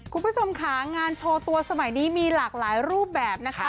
คุณผู้ชมค่ะงานโชว์ตัวสมัยนี้มีหลากหลายรูปแบบนะคะ